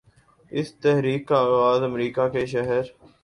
اس تحریک کا آغاز امریکہ کہ شہر